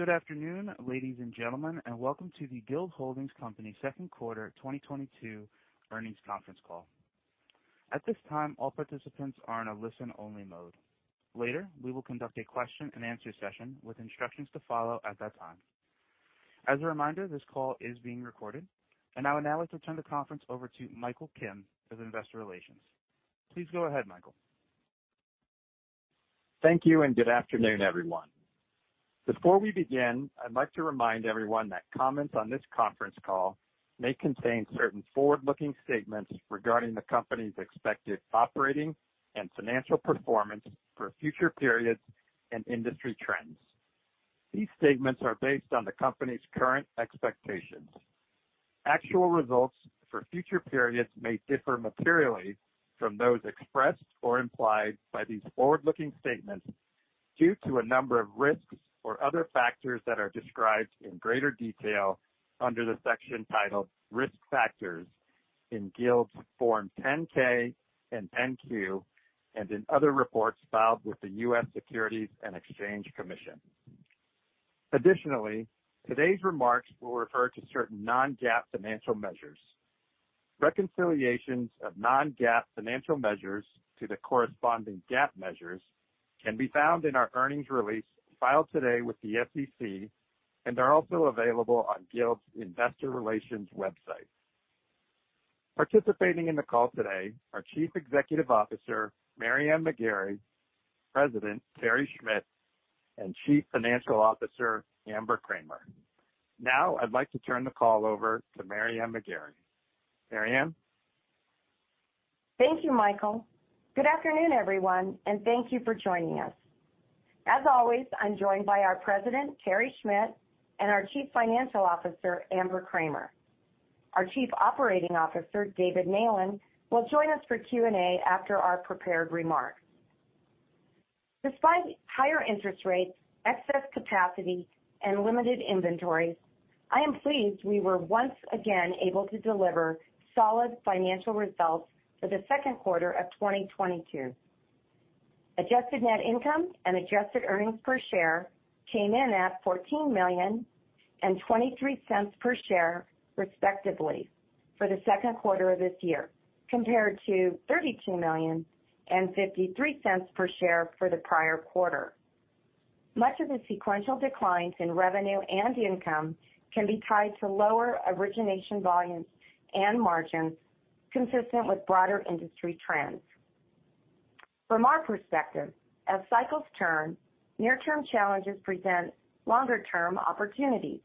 Good afternoon, ladies and gentlemen, and welcome to the Guild Holdings Company Q2 2022 earnings conference call. At this time, all participants are in a listen-only mode. Later, we will conduct a question-and-answer session with instructions to follow at that time. As a reminder, this call is being recorded. I would now like to turn the conference over to Michael Kim of Investor Relations. Please go ahead, Michael. Thank you and good afternoon, everyone. Before we begin, I'd like to remind everyone that comments on this conference call may contain certain forward-looking statements regarding the company's expected operating and financial performance for future periods and industry trends. These statements are based on the company's current expectations. Actual results for future periods may differ materially from those expressed or implied by these forward-looking statements due to a number of risks or other factors that are described in greater detail under the section titled Risk Factors in Guild's Form 10-K and 10-Q, and in other reports filed with the U.S. Securities and Exchange Commission. Additionally, today's remarks will refer to certain non-GAAP financial measures. Reconciliations of non-GAAP financial measures to the corresponding GAAP measures can be found in our earnings release filed today with the SEC and are also available on Guild's investor relations website. Participating in the call today are Chief Executive Officer, Mary Ann McGarry, President, Terry Schmidt, and Chief Financial Officer, Amber Kramer. Now, I'd like to turn the call over to Mary Ann McGarry. Mary Ann. Thank you, Michael. Good afternoon, everyone, and thank you for joining us. As always, I'm joined by our President, Terry Schmidt, and our Chief Financial Officer, Amber Kramer. Our Chief Operating Officer, David Nalin, will join us for Q&A after our prepared remarks. Despite higher interest rates, excess capacity, and limited inventories, I am pleased we were once again able to deliver solid financial results for the Q2 of 2022. Adjusted net income and adjusted earnings per share came in at $14 million and $0.23 per share, respectively, for the Q2 of this year, compared to $32 million and $0.53 per share for the prior quarter. Much of the sequential declines in revenue and income can be tied to lower origination volumes and margins consistent with broader industry trends. From our perspective, as cycles turn, near-term challenges present longer-term opportunities,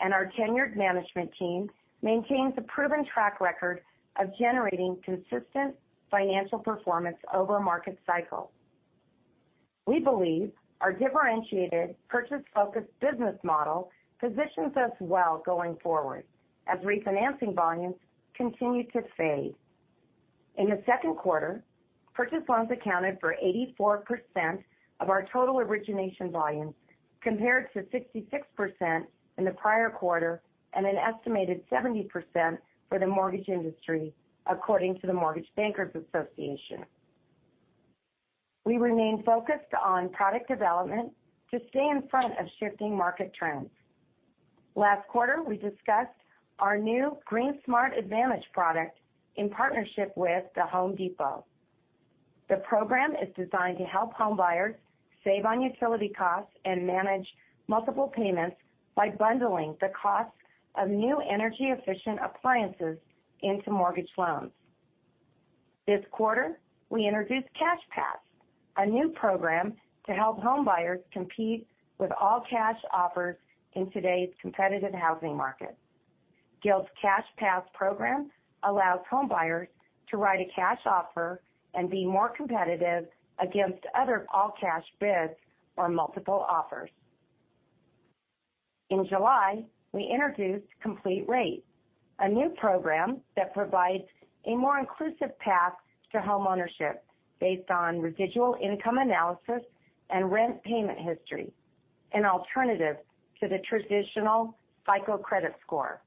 and our tenured management team maintains a proven track record of generating consistent financial performance over market cycles. We believe our differentiated purchase-focused business model positions us well going forward as refinancing volumes continue to fade. In the Q2, purchase loans accounted for 84% of our total origination volumes, compared to 66% in the prior quarter and an estimated 70% for the mortgage industry, according to the Mortgage Bankers Association. We remain focused on product development to stay in front of shifting market trends. Last quarter, we discussed our new GreenSmart Advantage product in partnership with The Home Depot. The program is designed to help home buyers save on utility costs and manage multiple payments by bundling the cost of new energy-efficient appliances into mortgage loans. This quarter, we introduced CashPass, a new program to help home buyers compete with all-cash offers in today's competitive housing market. Guild's CashPass program allows home buyers to write a cash offer and be more competitive against other all-cash bids or multiple offers. In July, we introduced Complete Rate, a new program that provides a more inclusive path to homeownership based on residual income analysis and rent payment history, an alternative to the traditional FICO credit score.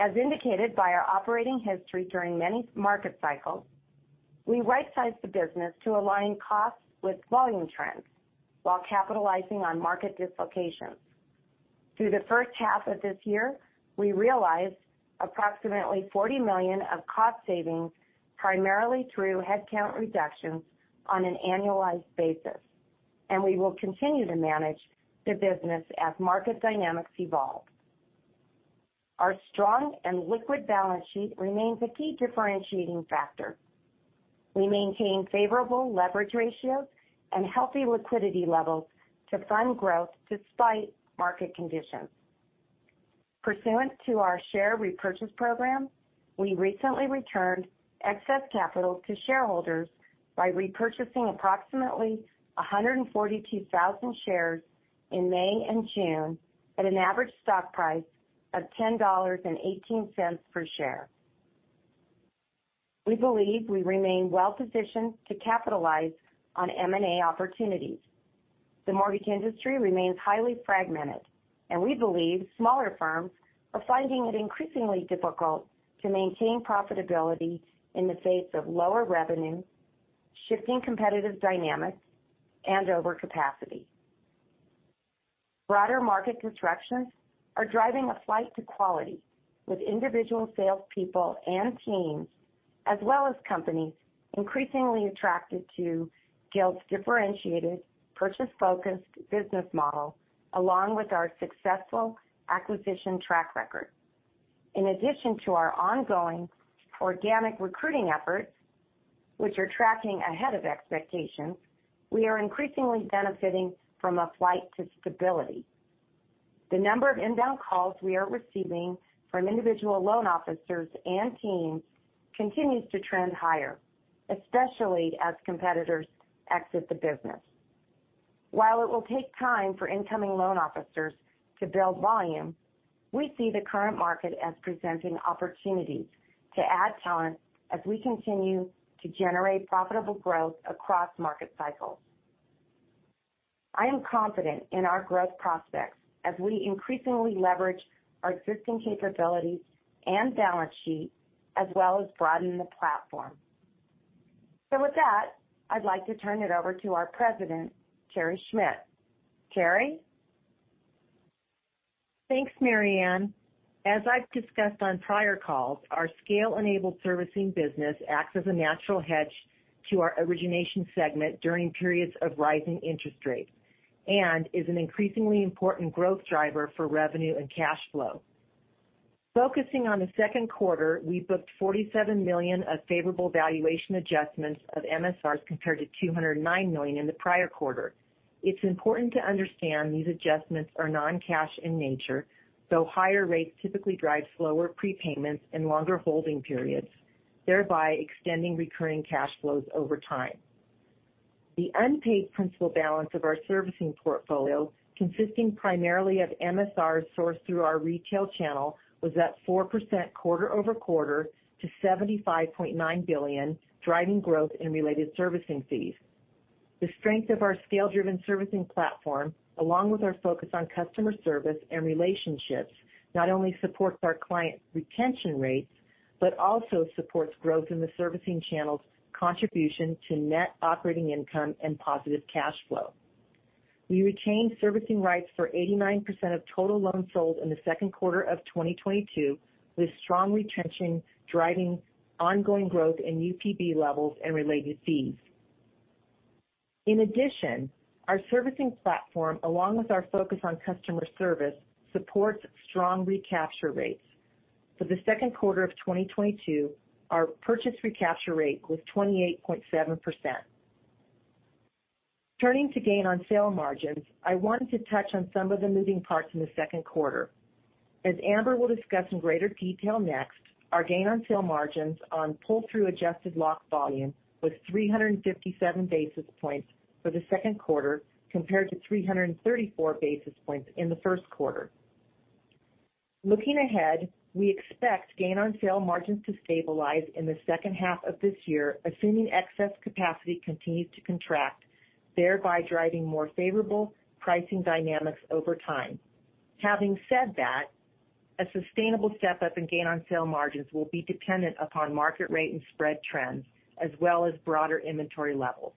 As indicated by our operating history during many market cycles, we rightsize the business to align costs with volume trends while capitalizing on market dislocations. Through the H1 of this year, we realized approximately $40 million of cost savings, primarily through headcount reductions on an annualized basis, and we will continue to manage the business as market dynamics evolve. Our strong and liquid balance sheet remains a key differentiating factor. We maintain favorable leverage ratios and healthy liquidity levels to fund growth despite market conditions. Pursuant to our share repurchase program, we recently returned excess capital to shareholders by repurchasing approximately 142,000 shares in May and June at an average stock price of $10.18 per share. We believe we remain well-positioned to capitalize on M&A opportunities. The mortgage industry remains highly fragmented. We believe smaller firms are finding it increasingly difficult to maintain profitability in the face of lower revenue, shifting competitive dynamics, and overcapacity. Broader market conditions are driving a flight to quality, with individual salespeople and teams, as well as companies, increasingly attracted to Guild's differentiated purchase-focused business model, along with our successful acquisition track record. In addition to our ongoing organic recruiting efforts, which are tracking ahead of expectations, we are increasingly benefiting from a flight to stability. The number of inbound calls we are receiving from individual loan officers and teams continues to trend higher, especially as competitors exit the business. While it will take time for incoming loan officers to build volume, we see the current market as presenting opportunities to add talent as we continue to generate profitable growth across market cycles. I am confident in our growth prospects as we increasingly leverage our existing capabilities and balance sheet, as well as broaden the platform. With that, I'd like to turn it over to our President, Terry Schmidt. Terry? Thanks, Mary Ann. As I've discussed on prior calls, our scale-enabled servicing business acts as a natural hedge to our origination segment during periods of rising interest rates and is an increasingly important growth driver for revenue and cash flow. Focusing on the Q2, we booked $47 million of favorable valuation adjustments of MSRs compared to $209 million in the prior quarter. It's important to understand these adjustments are non-cash in nature, though higher rates typically drive slower prepayments and longer holding periods, thereby extending recurring cash flows over time. The unpaid principal balance of our servicing portfolio, consisting primarily of MSRs sourced through our retail channel, was up 4% quarter-over-quarter to $75.9 billion, driving growth in related servicing fees. The strength of our scale-driven servicing platform, along with our focus on customer service and relationships, not only supports our client retention rates but also supports growth in the servicing channel's contribution to net operating income and positive cash flow. We retained servicing rights for 89% of total loans sold in the Q2 of 2022, with strong retention driving ongoing growth in UPB levels and related fees. In addition, our servicing platform, along with our focus on customer service, supports strong recapture rates. For the Q2 of 2022, our purchase recapture rate was 28.7%. Turning to gain on sale margins, I want to touch on some of the moving parts in the Q2. As Amber will discuss in greater detail next, our gain on sale margins on pull-through adjusted lock volume was 357 basis points for the Q2 compared to 334 basis points in the Q1. Looking ahead, we expect gain on sale margins to stabilize in the H2 of this year, assuming excess capacity continues to contract, thereby driving more favorable pricing dynamics over time. Having said that, a sustainable step-up in gain on sale margins will be dependent upon market rate and spread trends as well as broader inventory levels.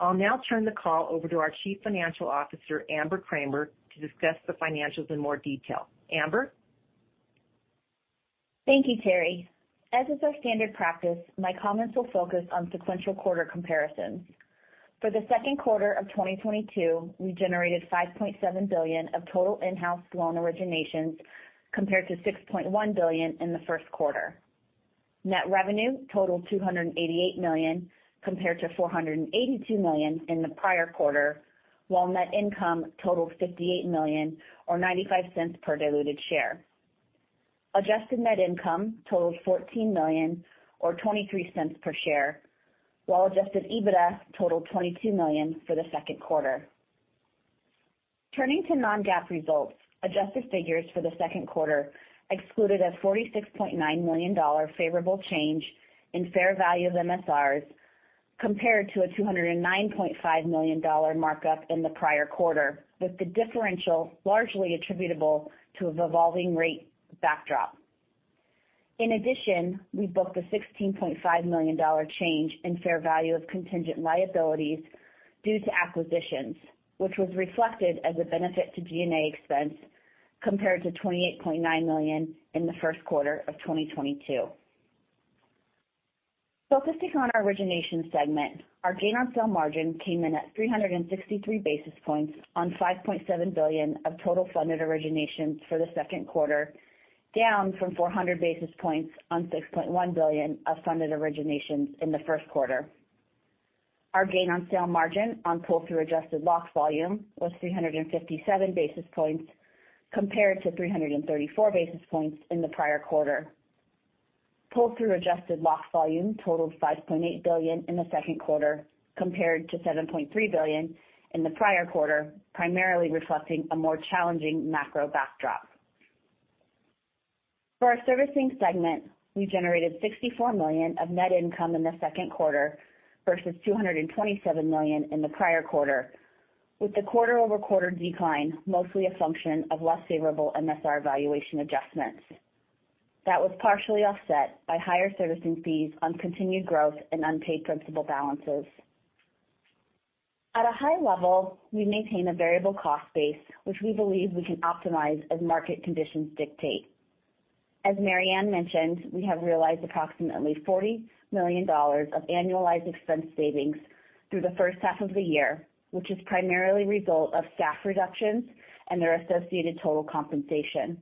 I'll now turn the call over to our Chief Financial Officer, Amber Kramer, to discuss the financials in more detail. Amber? Thank you, Terry. As is our standard practice, my comments will focus on sequential quarter comparisons. For the Q2 of 2022, we generated $5.7 billion of total in-house loan originations compared to $6.1 billion in the Q1. Net revenue totaled $288 million compared to $482 million in the prior quarter, while net income totaled $58 million or $0.95 per diluted share. Adjusted net income totaled $14 million or $0.23 per share, while adjusted EBITDA totaled $22 million for the Q2. Turning to non-GAAP results, adjusted figures for the Q2 excluded a $46.9 million favorable change in fair value of MSRs compared to a $209.5 million markup in the prior quarter, with the differential largely attributable to an evolving rate backdrop. In addition, we booked a $16.5 million change in fair value of contingent liabilities due to acquisitions, which was reflected as a benefit to G&A expense compared to $28.9 million in the Q1 of 2022. Focusing on our origination segment, our gain on sale margin came in at 363 basis points on $5.7 billion of total funded originations for the Q2, down from 400 basis points on $6.1 billion of funded originations in the Q1. Our gain on sale margin on pull-through adjusted lock volume was 357 basis points compared to 334 basis points in the prior quarter. Pull-through adjusted lock volume totaled $5.8 billion in the Q2 compared to $7.3 billion in the prior quarter, primarily reflecting a more challenging macro backdrop. For our servicing segment, we generated $64 million of net income in the Q2 versus $227 million in the prior quarter, with the quarter-over-quarter decline mostly a function of less favorable MSR valuation adjustments. That was partially offset by higher servicing fees on continued growth and unpaid principal balances. At a high level, we maintain a variable cost base, which we believe we can optimize as market conditions dictate. As Mary Ann mentioned, we have realized approximately $40 million of annualized expense savings through the H1 of the year, which is primarily a result of staff reductions and their associated total compensation.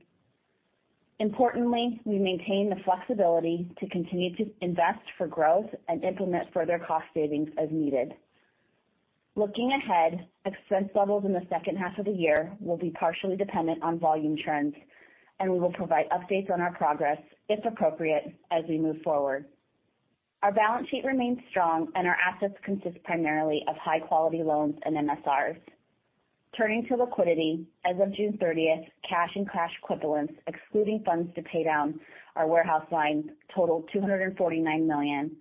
Importantly, we maintain the flexibility to continue to invest for growth and implement further cost savings as needed. Looking ahead, expense levels in the H2 of the year will be partially dependent on volume trends, and we will provide updates on our progress, if appropriate, as we move forward. Our balance sheet remains strong, and our assets consist primarily of high-quality loans and MSRs. Turning to liquidity, as of June 30th, cash and cash equivalents, excluding funds to pay down our warehouse lines totaled $249 million,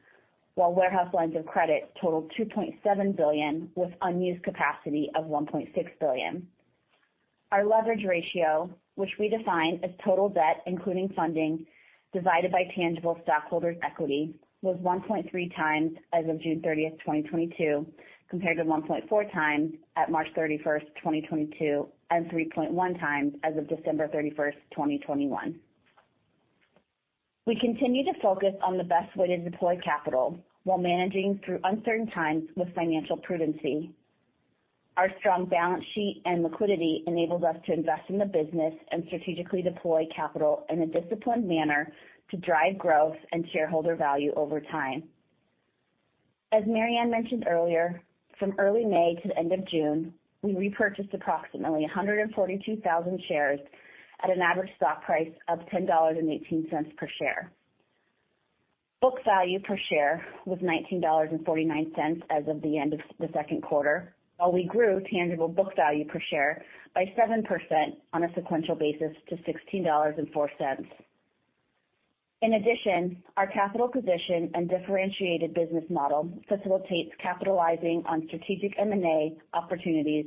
while warehouse lines of credit totaled $2.7 billion with unused capacity of $1.6 billion. Our leverage ratio, which we define as total debt, including funding divided by tangible stockholders' equity, was 1.3x as of June 30th, 2022, compared to 1.4x at March 31st, 2022, and 3.1x as of December 31st, 2021. We continue to focus on the best way to deploy capital while managing through uncertain times with financial prudency. Our strong balance sheet and liquidity enables us to invest in the business and strategically deploy capital in a disciplined manner to drive growth and shareholder value over time. As Mary Ann mentioned earlier, from early May to the end of June, we repurchased approximately 142,000 shares at an average stock price of $10.18 per share. Book value per share was $19.49 as of the end of the Q2, while we grew tangible book value per share by 7% on a sequential basis to $16.04. In addition, our capital position and differentiated business model facilitates capitalizing on strategic M&A opportunities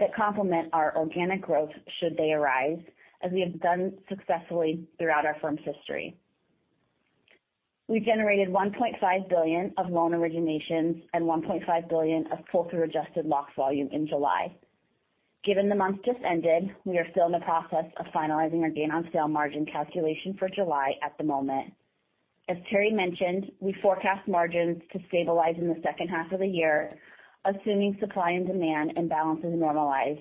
that complement our organic growth should they arise, as we have done successfully throughout our firm's history. We generated $1.5 billion of loan originations and $1.5 billion of pull-through adjusted lock volume in July. Given the month just ended, we are still in the process of finalizing our gain on sale margin calculation for July at the moment. As Terry mentioned, we forecast margins to stabilize in the H2 of the year, assuming supply and demand imbalances normalize,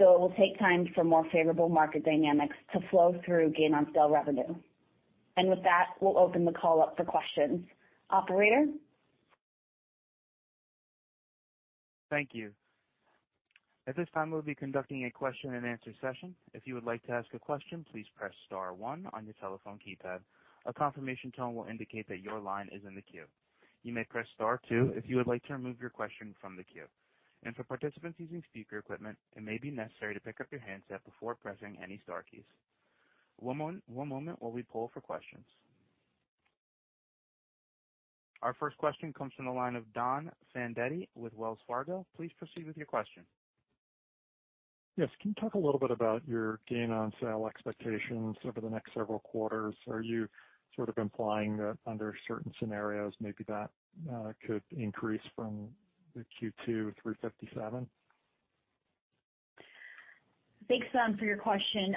though it will take time for more favorable market dynamics to flow through gain on sale revenue. With that, we'll open the call up for questions. Operator? Thank you. At this time, we'll be conducting a question and answer session. If you would like to ask a question, please press star one on your telephone keypad. A confirmation tone will indicate that your line is in the queue. You may press star two if you would like to remove your question from the queue. For participants using speaker equipment, it may be necessary to pick up your handset before pressing any star keys. One moment while we poll for questions. Our first question comes from the line of Don Fandetti with Wells Fargo. Please proceed with your question. Yes. Can you talk a little bit about your gain on sale expectations over the next several quarters? Are you sort of implying that under certain scenarios, maybe that could increase from the Q2 357? Thanks, Don, for your question.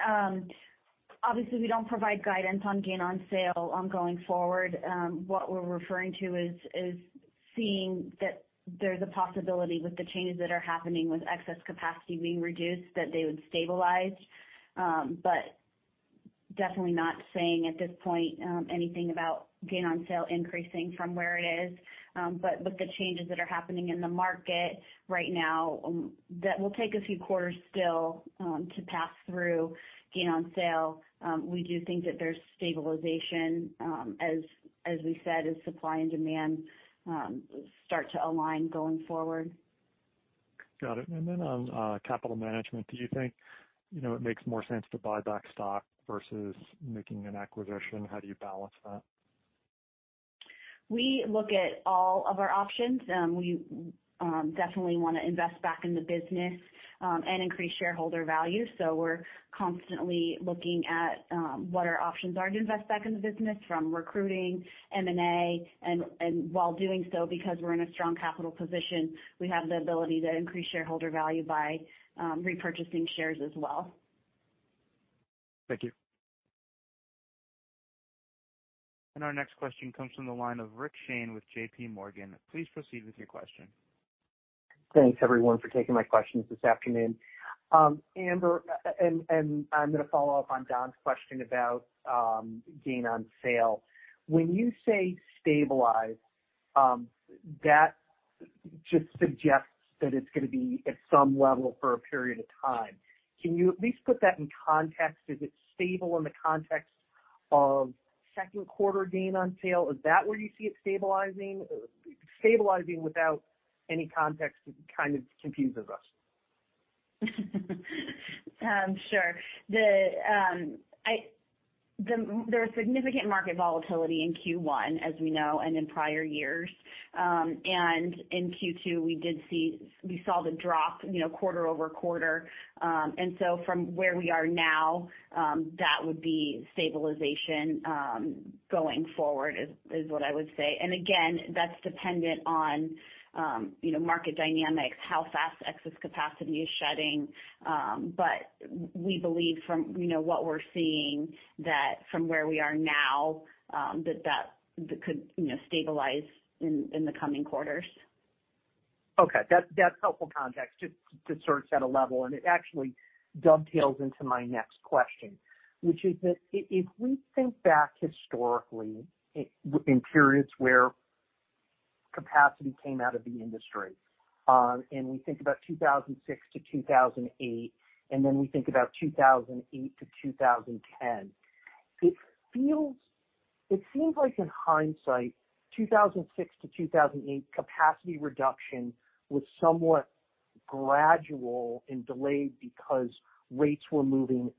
Obviously, we don't provide guidance on gain on sale going forward. What we're referring to is seeing that there's a possibility with the changes that are happening with excess capacity being reduced, that they would stabilize. Definitely not saying at this point anything about gain on sale increasing from where it is. With the changes that are happening in the market right now, that will take a few quarters still to pass through gain on sale. We do think that there's stabilization, as we said, as supply and demand start to align going forward. Got it. On capital management, do you think, you know, it makes more sense to buy back stock versus making an acquisition? How do you balance that? We look at all of our options. We definitely wanna invest back in the business and increase shareholder value. We're constantly looking at what our options are to invest back in the business from recruiting, M&A. While doing so, because we're in a strong capital position, we have the ability to increase shareholder value by repurchasing shares as well. Thank you. Our next question comes from the line of Rick Shane with JPMorgan. Please proceed with your question. Thanks, everyone, for taking my questions this afternoon. Amber, I'm gonna follow up on Don's question about gain on sale. When you say stabilize, that just suggests that it's gonna be at some level for a period of time. Can you at least put that in context? Is it stable in the context of Q2 gain on sale? Is that where you see it stabilizing? Stabilizing without any context kind of confuses us. Sure. There are significant market volatility in Q1 as we know and in prior years. In Q2, we saw the drop, you know, quarter-over-quarter. From where we are now, that would be stabilization going forward is what I would say. Again, that's dependent on, you know, market dynamics, how fast excess capacity is shedding. We believe from, you know, what we're seeing that from where we are now, that could, you know, stabilize in the coming quarters. Okay. That's helpful context to sort of set a level. It actually dovetails into my next question, which is that if we think back historically in periods where capacity came out of the industry, and we think about 2006 to 2008, and then we think about 2008 to 2010. It seems like in hindsight, 2006 to 2008 capacity reduction was somewhat gradual and delayed because rates were moving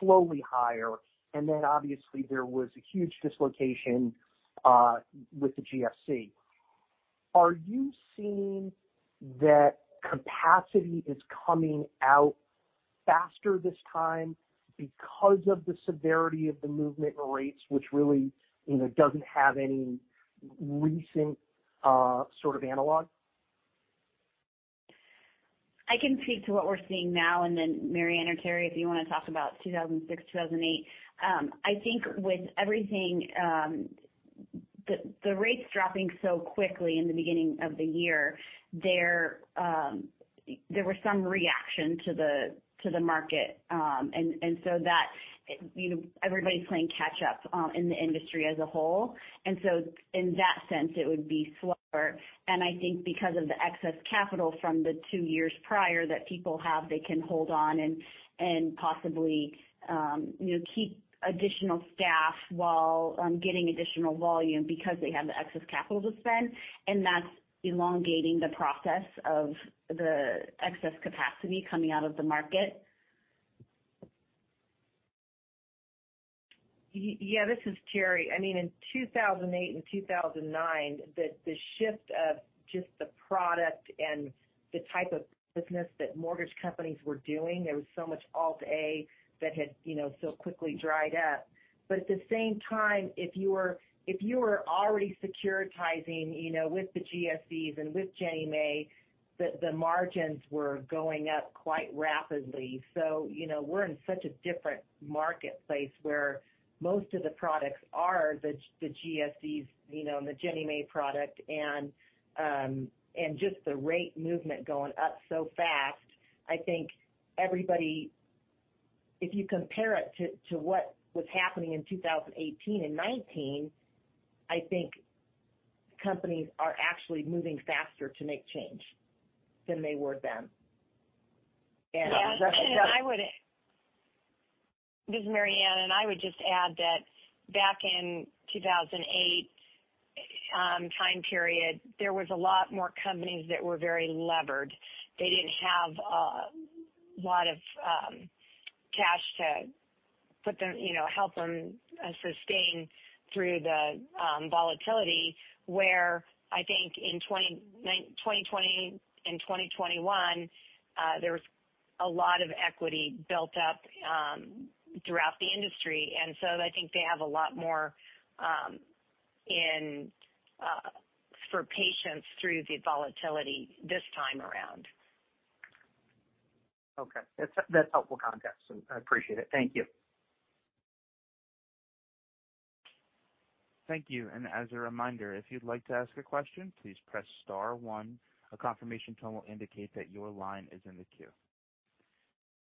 slowly higher. Then obviously there was a huge dislocation with the GFC. Are you seeing that capacity is coming out faster this time because of the severity of the movement in rates, which really, you know, doesn't have any recent sort of analog? I can speak to what we're seeing now, and then Mary Ann or Terry, if you wanna talk about 2006, 2008. I think with everything, the rates dropping so quickly in the beginning of the year, there was some reaction to the market. So that, you know, everybody's playing catch up in the industry as a whole. In that sense, it would be slower. I think because of the excess capital from the two years prior that people have, they can hold on and possibly, you know, keep additional staff while getting additional volume because they have the excess capital to spend. That's elongating the process of the excess capacity coming out of the market. Yeah, this is Terry. I mean, in 2008 and 2009, the shift of just the product and the type of business that mortgage companies were doing. There was so much Alt-A that had, you know, so quickly dried up. At the same time, if you were already securitizing, you know, with the GSEs and with Ginnie Mae, the margins were going up quite rapidly. You know, we're in such a different marketplace where most of the products are the GSEs, you know, and the Ginnie Mae product. Just the rate movement going up so fast. I think everybody, if you compare it to what was happening in 2018 and 2019, I think companies are actually moving faster to make change than they were then. Yeah. This is Mary Ann, and I would just add that back in 2008 time period, there was a lot more companies that were very levered. They didn't have a lot of cash to put up, you know, help them sustain through the volatility. Whereas I think in 2020 and 2021, there was a lot of equity built up throughout the industry. I think they have a lot more patience through the volatility this time around. Okay. That's helpful context. I appreciate it. Thank you. Thank you. As a reminder, if you'd like to ask a question, please press star one. A confirmation tone will indicate that your line is in the queue.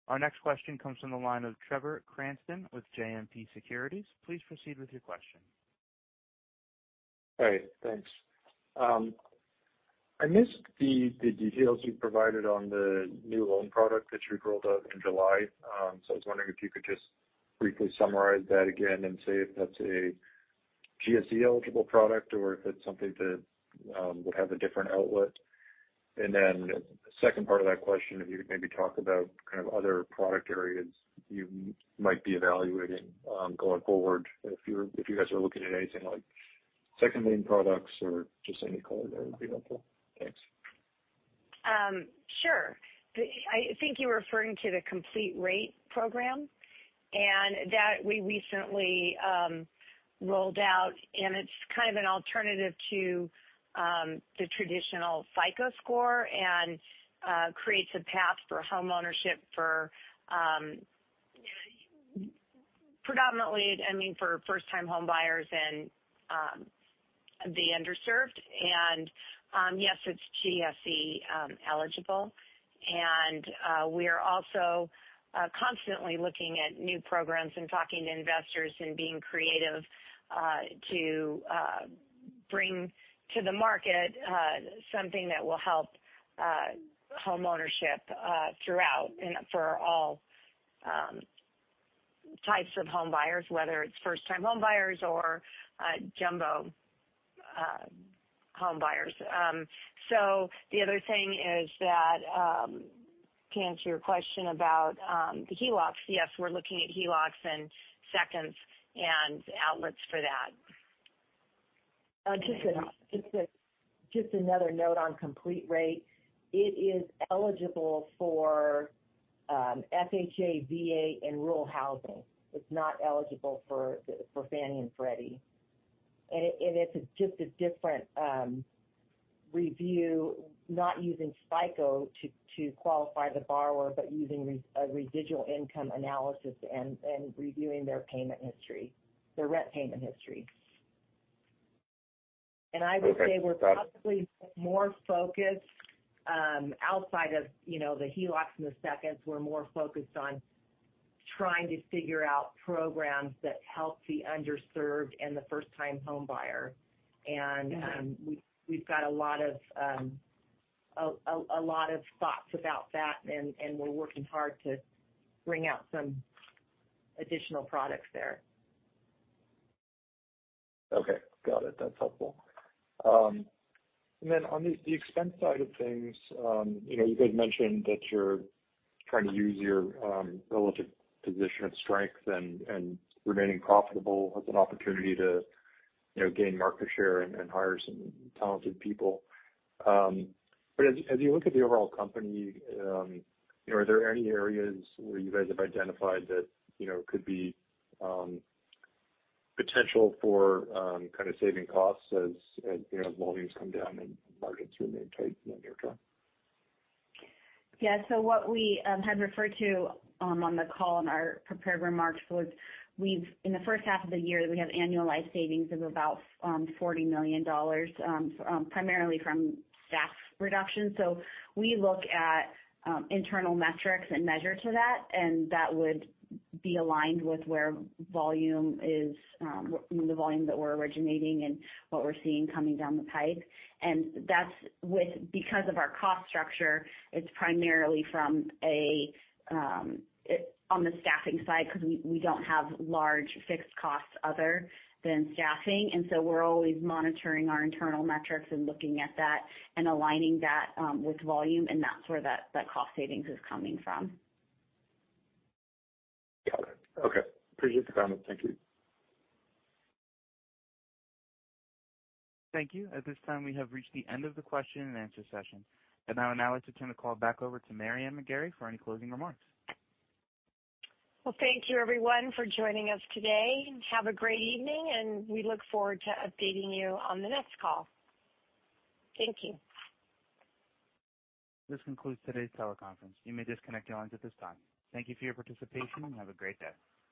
Our next question comes from the line of Trevor Cranston with JMP Securities. Please proceed with your question. Hey, thanks. I missed the details you provided on the new loan product that you rolled out in July. So I was wondering if you could just briefly summarize that again and say if that's a GSE-eligible product or if it's something that would have a different outlet. Second part of that question, if you could maybe talk about kind of other product areas you might be evaluating going forward. If you guys are looking at anything like second lien products or just any color, that would be helpful. Thanks. Sure. I think you're referring to the Complete Rate program that we recently rolled out, and it's kind of an alternative to the traditional FICO score and creates a path for homeownership for predominantly, I mean, for first-time home buyers and the underserved. Yes, it's GSE eligible. We are also constantly looking at new programs and talking to investors and being creative to bring to the market something that will help homeownership throughout and for all. Types of home buyers, whether it's first time home buyers or jumbo home buyers. The other thing is that, to answer your question about the HELOCs, yes, we're looking at HELOCs and seconds and outlets for that. Just another note on Complete Rate. It is eligible for FHA, VA, and Rural Housing. It's not eligible for Fannie and Freddie. It's just a different review, not using FICO to qualify the borrower, but using a residual income analysis and reviewing their payment history, their rent payment history. I would say we're possibly more focused outside of, you know, the HELOCs and the seconds. We're more focused on trying to figure out programs that help the underserved and the first-time home buyer. We've got a lot of thoughts about that, and we're working hard to bring out some additional products there. Okay, got it. That's helpful. On the expense side of things, you know, you guys mentioned that you're trying to use your relative position of strength and remaining profitable as an opportunity to, you know, gain market share and hire some talented people. As you look at the overall company, you know, are there any areas where you guys have identified that, you know, could be potential for kind of saving costs as you know, volumes come down and markets remain tight in the near term? Yeah. What we had referred to on the call in our prepared remarks was we've in the H1 of the year, we have annualized savings of about $40 million, primarily from staff reduction. We look at internal metrics and measure to that, and that would be aligned with where volume is, the volume that we're originating and what we're seeing coming down the pipe. That's because of our cost structure, it's primarily from on the staffing side 'cause we don't have large fixed costs other than staffing. We're always monitoring our internal metrics and looking at that and aligning that with volume, and that's where that cost savings is coming from. Got it. Okay. Appreciate the comment. Thank you. Thank you. At this time, we have reached the end of the question-and-answer session. I'd now like to turn the call back over to Mary Ann McGarry for any closing remarks. Well, thank you everyone for joining us today. Have a great evening, and we look forward to updating you on the next call. Thank you. This concludes today's teleconference. You may disconnect your lines at this time. Thank you for your participation, and have a great day.